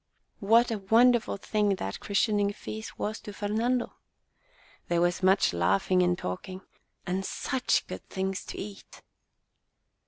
What a wonderful thing that christening feast was to Fernando ! There was much laugh ing and talking, and such good things to eat